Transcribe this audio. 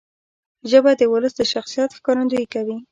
ژبه د ولس د شخصیت ښکارندویي کوي.